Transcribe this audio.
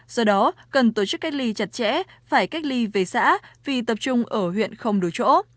do đó cần tổ chức cách ly chặt chẽ phải cách ly về xã vì tập trung ở huyện không đối chỗ